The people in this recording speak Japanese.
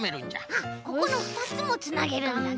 あっここのふたつもつなげるんだね。